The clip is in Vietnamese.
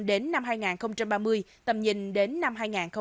đến năm hai nghìn ba mươi tầm nhìn đến năm hai nghìn bốn mươi năm